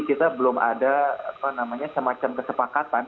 kita belum ada apa namanya semacam kesepakatan